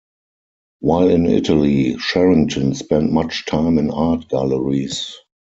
While in Italy, Sherrington spent much time in art galleries.